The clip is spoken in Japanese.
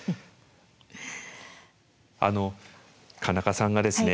あの川中さんがですね